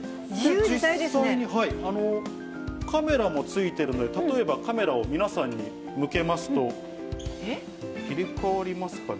実際にカメラもついてるので、例えば、カメラを皆さんに向けますと、切り替わりますかね。